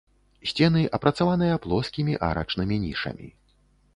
Сцены апрацаваныя плоскімі арачнымі нішамі.